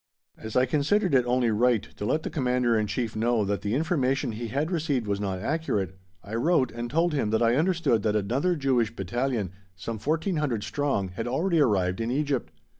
As I considered it only right to let the Commander in Chief know that the information he had received was not accurate, I wrote and told him that I understood that another Jewish Battalion, some 1,400 strong, had already arrived in Egypt.